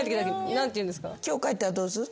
今日帰ったらどうする？